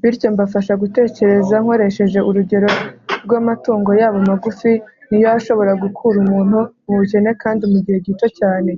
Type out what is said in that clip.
bityo mbafasha gutekereza nkoresheje urugero rw’ amatungo yabo magufi, niyo ashobora gukura umuntu mu bukene kandi mugihe gito cyane.